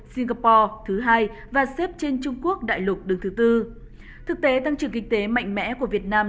singapore thứ hai và xếp trên trung quốc đại lục đứng thứ tư thực tế tăng trưởng kinh tế mạnh mẽ của việt nam